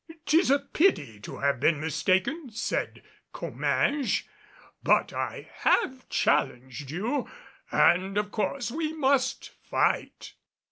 "'Tis a pity to have been mistaken," said Comminges, "but I have challenged you, and of course we must fight."